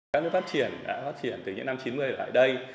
các nước phát triển đã phát triển từ những năm chín mươi ở lại đây